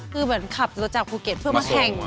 คือเหมือนขับรถจากภูเก็ตเพื่อมาแข่ง